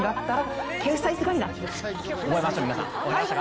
覚えましたか？